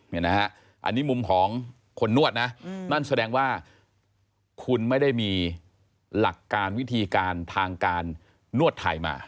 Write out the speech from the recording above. อันนี้หัวของคนนวดนั่นแสดงว่าคุณไม่ได้มีหลักการวิธีทางการนวดไทยมา